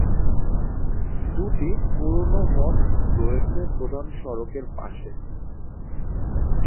দু’টি পুরনো মঠ রয়েছে প্রধান সড়কের পাশে।